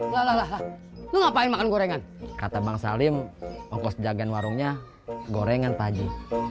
lalala ngapain makan gorengan kata bang salim pokok jagan warungnya gorengan paji